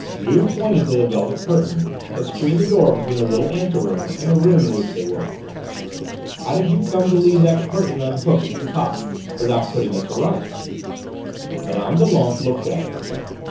Juve pointed to the velvet curtain that screened the door between the little anteroom and the room in which they were. "How did you come to leave that curtain unhooked at the top, without putting it to rights?" Mme. Doulenques looked at it.